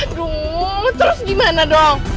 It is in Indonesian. aduh terus gimana dong